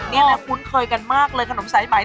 พอเราเด็กคุ้นเคยกันมากเลยขนมสายใหม่